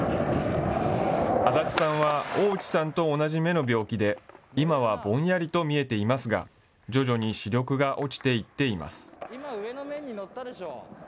足立さんは大内さんと同じ目の病気で、今はぼんやりと見えていますが、徐々に視力が落ちていっています。